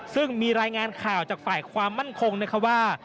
ซึ่งมีรายงานข่าวจากฝ่ายความมั่นคงนะคะว่า